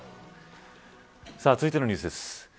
続いてのニュースです。